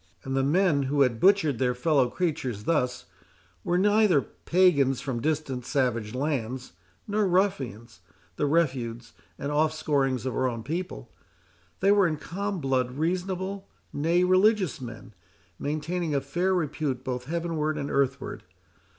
And the men who butchered their fellow creatures thus, were neither pagans from distant savage lands, nor ruffians, the refuse and offscourings of our own people. They were in calm blood reasonable, nay, religious men, maintaining a fair repute both heavenward and earthward.